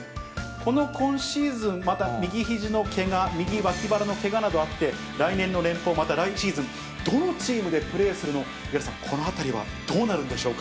この今シーズン、また右ひじのけが、右脇腹のけがなどあって、来年の年俸、また来シーズン、どのチームでプレーするのか、五十嵐さん、このあたりはどうなるんでしょうか。